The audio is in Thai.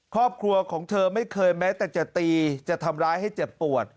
ครอบครัวของเธอไม่เคยแม้แต่จะตีจะทำร้ายให้เจ็บปวด